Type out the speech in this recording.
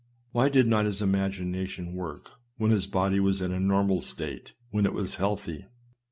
Why did not his imagination work w^hen his body was in a normal state — when it wras healthy